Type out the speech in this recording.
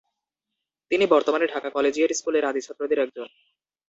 তিনি বর্তমান ঢাকা কলেজিয়েট স্কুলের আদি ছাত্রদের একজন।